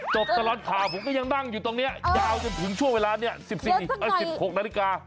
ตลอดข่าวผมก็ยังนั่งอยู่ตรงนี้ยาวจนถึงช่วงเวลานี้๑๖นาฬิกา